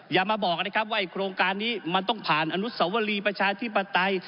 อย่ามาบอกนะครับว่าโครงการนี้มันต้องผ่านอนุสวรีประชาธิปไตย